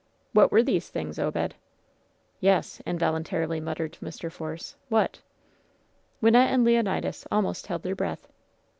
"What were these things, Obed ?" "Yes !" involuntarily muttered Mr. F/)rce. '^hat ?" Wynnette and Leonidas almost held their breath.